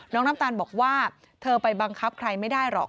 น้ำตาลบอกว่าเธอไปบังคับใครไม่ได้หรอก